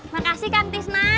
makasih kang tisna